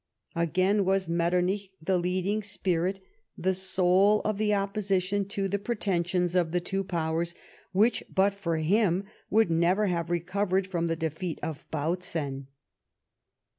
Again was Metternich the leadino spirit, the soul, of the opposition to the pretensions of the two Powers which, but for him, would never have recovered from the defeat of Bautzen.